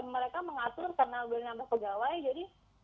mereka mengatur karena udah nambah pegawai jadi